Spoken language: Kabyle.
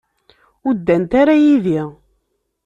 Ur ddant ara yid-i.